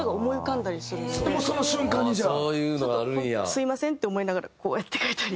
すみませんって思いながらこうやって書いたり。